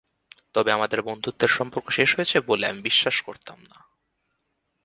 তবে আমাদের বন্ধুত্বের সম্পর্ক শেষ হয়েছে বলে আমি বিশ্বাস করতাম না।